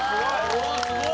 うわすごい！